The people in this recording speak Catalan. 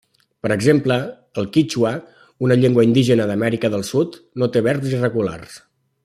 Per exemple, el quítxua, una llengua indígena d'Amèrica del Sud, no té verbs irregulars.